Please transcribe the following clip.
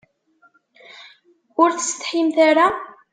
Ur tsetḥimt ara?